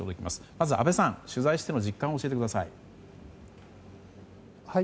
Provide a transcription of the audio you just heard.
まず阿部さん、取材しての実感を教えてください。